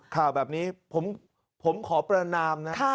ข่าวแบบนี้ผมขอประนามนะ